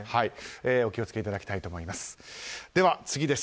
お気をつけいただきたいと思います。